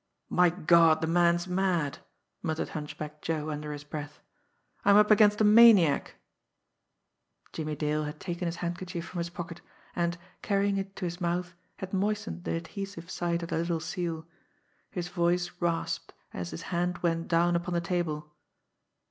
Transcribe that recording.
"My God, the man's mad!" muttered Hunchback Joe under his breath. "I'm up against a maniac!" Jimmie Dale had taken his handkerchief from his pocket, and, carrying it to his mouth, had moistened the adhesive side of the little seal. His voice rasped, as his hand went down upon the table.